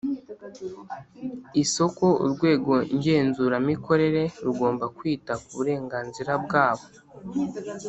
isoko Urwego ngenzuramikorere rugomba kwita kuburenganzira bwabo